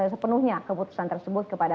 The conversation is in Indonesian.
sepenuhnya keputusan tersebut kepada